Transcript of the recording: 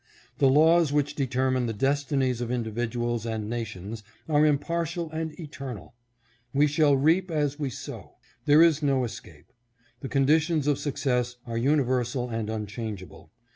The laws which determine the destinies of individuals and nations are impartial and eternal. We shall reap as we sow. There is no escape. The conditions of success are universal and unchangeable.